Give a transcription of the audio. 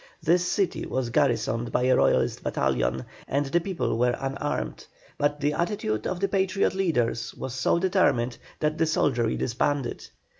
This city was garrisoned by a Royalist battalion, and the people were unarmed; but the attitude of the Patriot leaders was so determined that the soldiery disbanded.